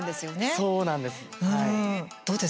そうなんです。